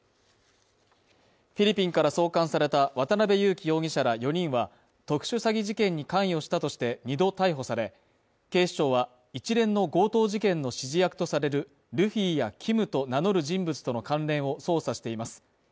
フィリピンから送還された渡辺優樹容疑者ら４人は、特殊詐欺事件に関与したとして２度逮捕され、警視庁は一連の強盗事件の指示役とされるルフィやＫｉｍと名乗る人物との関連を捜査しています。